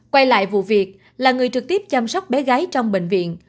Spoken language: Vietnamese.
quay lại vụ việc là người trực tiếp chăm sóc bé gái trong bệnh viện